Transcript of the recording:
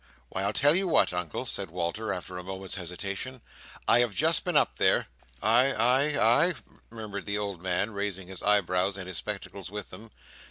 "Why, I'll tell you what, Uncle," said Walter, after a moment's hesitation, "I have just been up there." "Ay, ay, ay?" murmured the old man, raising his eyebrows, and his spectacles with them.